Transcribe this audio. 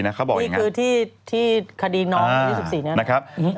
นี่คือที่คดีน้อง๒๔นะครับ